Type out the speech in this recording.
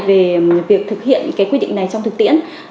về việc thực hiện cái quy định này trong thực tiễn